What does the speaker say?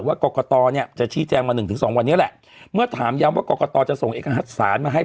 ว่ากรกกระตอเนี่ยจะชี้แจงมา๑๒วันนี้แหละ